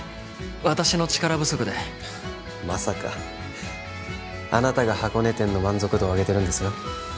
私の力不足でまさかあなたが箱根店の満足度を上げてるんですよ